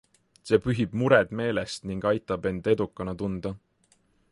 See pühib mured meelest ning aitab end edukana tunda.